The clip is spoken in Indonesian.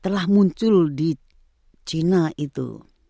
telah muncul di china itu